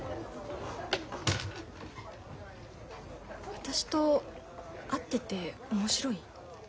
私と会ってて面白い？